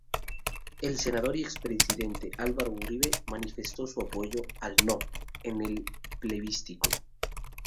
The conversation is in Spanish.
El senador y expresidente Álvaro Uribe manifestó su apoyo al "No" en el plebiscito.